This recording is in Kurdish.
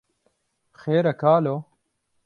Xêr e kalo